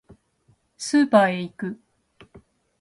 スーパーへ行く